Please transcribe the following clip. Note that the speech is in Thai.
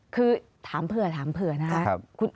คือถามเผื่อนะคะ